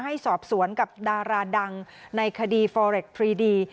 ให้สอบสวนกับดาราดังในคดีฟอเรคทรีดี